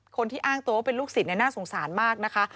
คนที่อ้างตัวว่าเป็นลูกศิษย์น่าสงสารมากนะคะ